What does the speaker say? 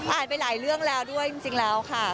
ไปหลายเรื่องแล้วด้วยจริงแล้วค่ะ